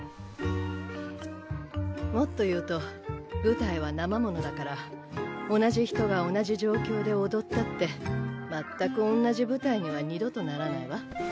もっと言うと舞台はなま物だから同じ人が同じ状況で踊ったってまったくおんなじ舞台には二度とならないわ。